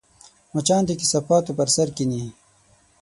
مچان د کثافاتو پر سر کښېني